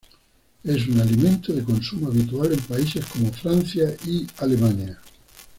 Es un alimento de consumo habitual en países como Francia y Alemania.